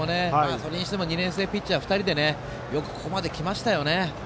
それにしても２年生ピッチャー２人でよくここまできましたよね。